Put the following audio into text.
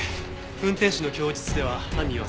運転手の供述では犯人は３人組。